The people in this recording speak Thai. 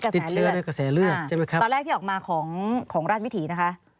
ติดเชื้อในกระแสเลือดตอนแรกที่ออกมาของราชวิถีนะคะ